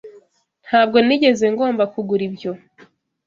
Ntabwo nigeze ngomba kugura ibyo.